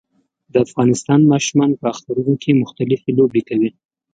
د افغانستان ماشومان په اخترونو کې مختلفي لوبې کوي